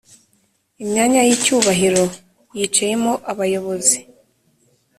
imyanya y’icyubahiro yicayemo abayobozi